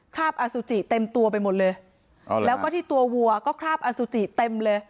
อสุจิเต็มตัวไปหมดเลยแล้วก็ที่ตัววัวก็คราบอสุจิเต็มเลย